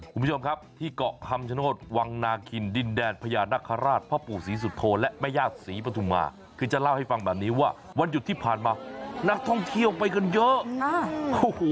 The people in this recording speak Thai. คุณผู้ชมครับที่เกาะคำชโนธวังนาคินดินแดนพญานาคาราชพ่อปู่ศรีสุโธและแม่ญาติศรีปฐุมาคือจะเล่าให้ฟังแบบนี้ว่าวันหยุดที่ผ่านมานักท่องเที่ยวไปกันเยอะ